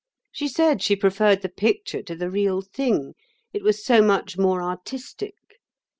She said she preferred the picture to the real thing, it was so much more artistic.